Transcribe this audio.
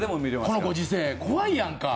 このご時世怖いやんか。